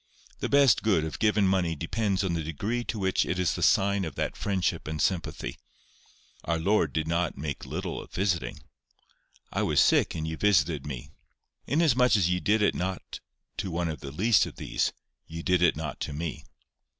The best good of given money depends on the degree to which it is the sign of that friendship and sympathy. Our Lord did not make little of visiting: 'I was sick, and ye visited me.' 'Inasmuch as ye did it not to one of the least of these, ye did it not to me.